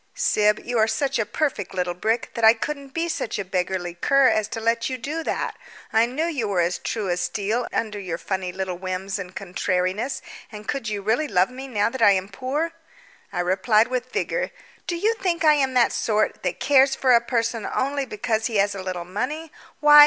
"Syb, you are such a perfect little brick that I couldn't be such a beggarly cur as to let you do that. I knew you were as true as steel under your funny little whims and contrariness; and could you really love me now that I am poor?" I replied with vigour: "Do you think I am that sort, that cares for a person only because he has a little money? Why!